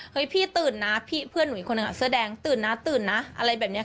พี่ตื่นนะพี่เพื่อนหนูอีกคนนึงเสื้อแดงตื่นนะตื่นนะอะไรแบบนี้ค่ะ